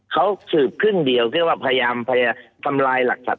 เขาสืบครึ่งเดียวเพื่อว่าพยายามทำลายหลักสัตว